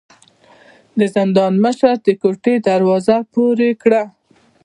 د زندان مشر د کوټې دروازه پورې کړه.